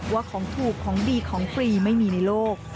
ว่าของถูกของดีของฟรีไม่มีในโลก